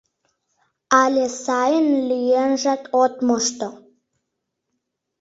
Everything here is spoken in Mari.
Але сайын лӱенжат от мошто.